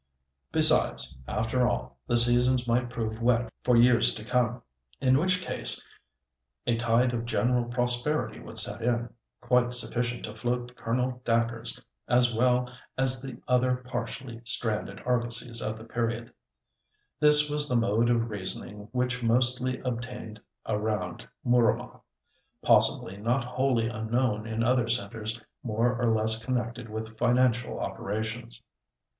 Besides, after all, the seasons might prove wet for years to come, in which case a tide of general prosperity would set in, quite sufficient to float Colonel Dacre's as well as the other partially stranded argosies of the period. This was the mode of reasoning which mostly obtained around Mooramah—possibly not wholly unknown in other centres more or less connected with financial operations.